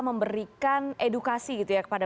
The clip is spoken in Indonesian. memberikan edukasi gitu ya kepada